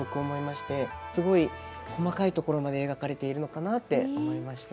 すごい細かい所まで描かれているのかなって思いました。